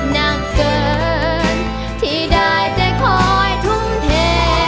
หนักเกินที่ได้ใจคอยทุ่มเท